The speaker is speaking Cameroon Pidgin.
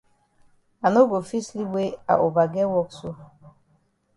I no go fit sleep wey I ova get wok so.